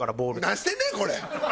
何してんねんこれ！